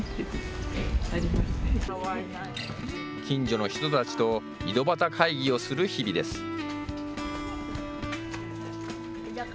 近所の人たちと井戸端会議をする日々です。